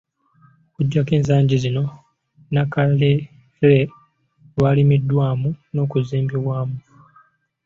Okuggyako ensangi zino Nnakalere lw'alimiddwamu n'okuzimbibwamu.